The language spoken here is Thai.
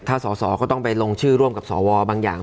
ถ้าสอสอก็ต้องไปลงชื่อร่วมกับสวบางอย่าง